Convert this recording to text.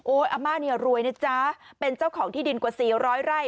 อาม่าเนี่ยรวยนะจ๊ะเป็นเจ้าของที่ดินกว่า๔๐๐ไร่